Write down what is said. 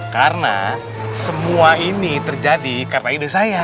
karena semua ini terjadi karena ide saya